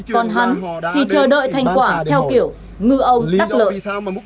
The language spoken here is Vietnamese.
còn hắn thì chờ đợi thành quả theo kiểu ngư ông tắc lợi